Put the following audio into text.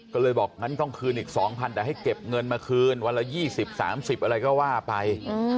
ก็เลยบอกงั้นต้องคืนอีก๒๐๐แต่ให้เก็บเงินมาคืนวันละ๒๐๓๐อะไรก็ว่าไป